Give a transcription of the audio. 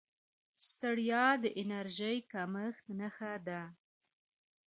ستړیا د انرژۍ کمښت نښه ده